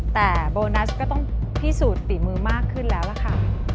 แต่โบนัสก็ต้องพิสูจน์ฝีมือมากขึ้นแล้วล่ะค่ะ